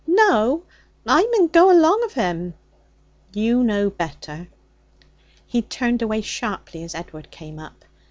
'No. I mun go along of him.' 'You know better.' He turned away sharply as Edward came up.